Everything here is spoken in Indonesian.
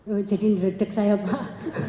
oh jadi redek saya pak